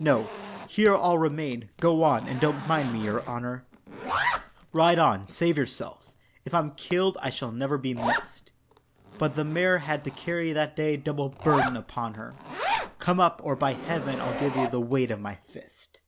"No, here I'll remain. Go on, and don't mind me, your honour, Ride on, save yourself, if I'm killed I shall never be missed." But the mare had to carry that day double burden upon her "Come up, or by heaven, I'll give you the weight of my fist."